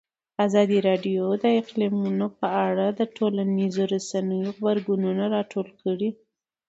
ازادي راډیو د اقلیتونه په اړه د ټولنیزو رسنیو غبرګونونه راټول کړي.